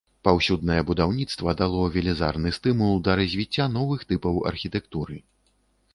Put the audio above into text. Паўсюднае будаўніцтва дало велізарны стымул да развіцця новых тыпаў архітэктуры.